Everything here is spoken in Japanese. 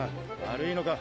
悪いのか？